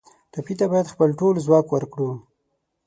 ټپي ته باید خپل ټول ځواک ورکړو.